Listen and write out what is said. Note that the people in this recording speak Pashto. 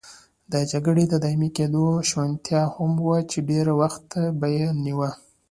د جګړې د دایمي کېدو شونتیا هم وه چې ډېر وخت به یې نیوه.